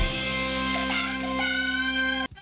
รับทราบ